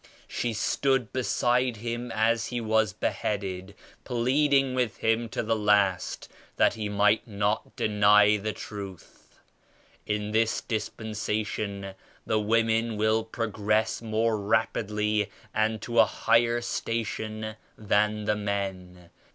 She stood beside him as he was beheaded, pleading with him to the last that he niight not deny the Truth. In this Dispensa tion the women will progress more rapidly and to a higher station than the men.